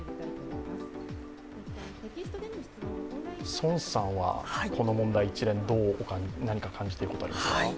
宋さん、この問題、一連何か感じていることありますか？